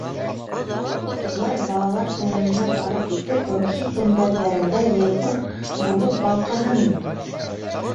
Улар балалар күңеленә барып етеп, рухи көмбәҙҙәрендә йәйғор булып балҡыһын ине.